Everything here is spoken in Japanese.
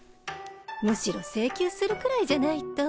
むしろ請求するくらいじゃないと。